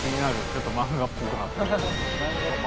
ちょっと漫画っぽくなってる。